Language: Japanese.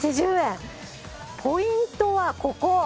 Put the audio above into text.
ポイントはここ。